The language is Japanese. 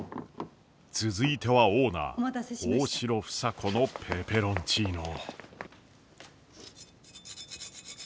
続いてはオーナー大城房子のペペロンチーノ。